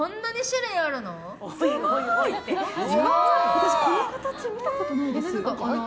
私この形見たことないです。